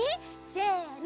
せの！